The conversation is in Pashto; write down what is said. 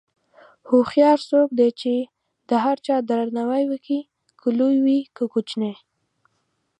هوښیار څوک دی چې د هر چا درناوی کوي، که لوی وي که کوچنی.